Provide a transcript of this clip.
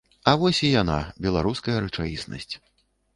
А вось і яна, беларуская рэчаіснасць.